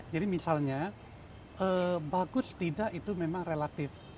jadi misalnya bagus tidak itu memang relatif